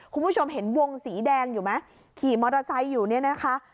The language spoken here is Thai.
คุณผู้ชมเห็นวงสีแดงอยู่ไหมขี่มอเตอร์ไซค์อยู่เนี่ยนะคะ